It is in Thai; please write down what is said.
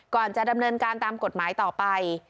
ก่อนจะดำเนินการตามกฎหมายต่อไป